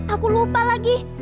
aku lupa lagi